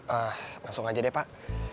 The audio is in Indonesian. ah langsung aja deh pak